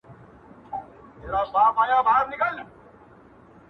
• یوازي تقریظونه لیکل او شاباس ویل رواج لري -